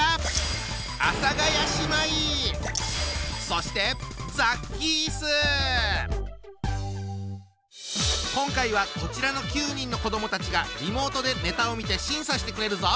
そして今回はこちらの９人の子どもたちがリモートでネタを見て審査してくれるぞ！